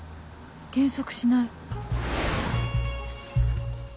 減速しない